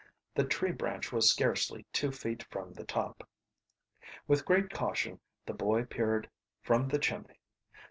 The tree branch was scarcely two feet from the top. With great caution the boy peered from the chimney.